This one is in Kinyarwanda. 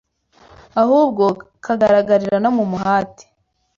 Ahubwo kagaragarira no mu muhati